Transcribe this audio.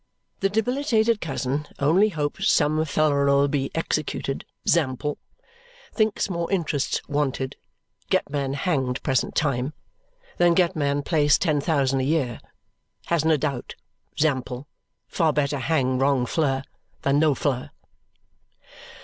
The debilitated cousin only hopes some fler'll be executed zample. Thinks more interest's wanted get man hanged presentime than get man place ten thousand a year. Hasn't a doubt zample far better hang wrong fler than no fler.